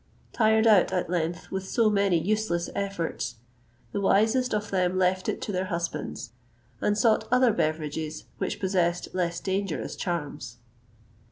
Tired out, at length, with so many useless efforts, the wisest of them left it to their husbands, and sought other beverages which possessed less dangerous charms.